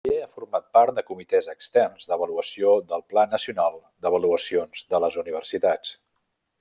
També ha format part de comitès externs d'avaluació del Pla Nacional d'Avaluacions de les Universitats.